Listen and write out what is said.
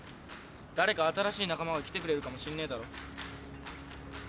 誰か新しい仲間が来てくれるかもしんねえだろ。